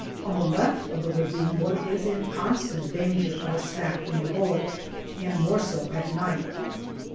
On the left of the ravine one is in constant danger of a smack from a bullet, and more so at night.